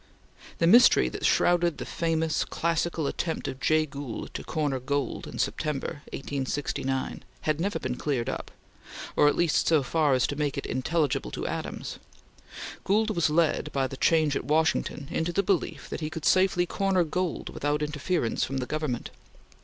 The mystery that shrouded the famous, classical attempt of Jay Gould to corner gold in September, 1869, has never been cleared up at least so far as to make it intelligible to Adams. Gould was led, by the change at Washington, into the belief that he could safely corner gold without interference from the Government.